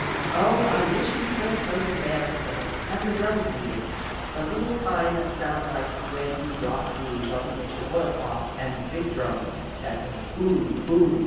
Oh, I wish you could have heard the bands playing, and the drums beating the little kind that sound like when you drop beans on the kitchen oil cloth, and the big drums, that go "Boom boom!"